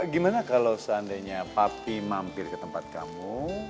gimana kalau seandainya papi mampir ke tempat kamu